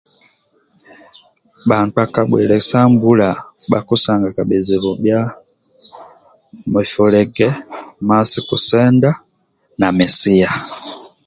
Bhakpa ka bwile sa bula bha kidyanaga bizibu mia mufulege ndia kisenda na nsia